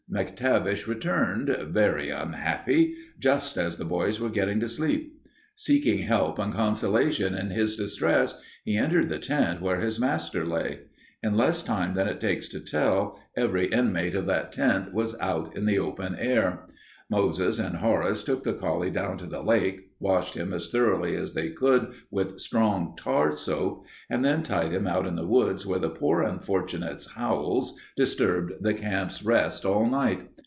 MacTavish returned, very unhappy, just as the boys were getting to sleep. Seeking help and consolation in his distress, he entered the tent where his master lay. In less time than it takes to tell it every inmate of that tent was out in the open air. Moses and Horace took the collie down to the lake, washed him as thoroughly as they could with strong tar soap, and then tied him out in the woods where the poor unfortunate's howls disturbed the camp's rest all night.